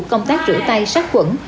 công tác rửa tay sát quẩn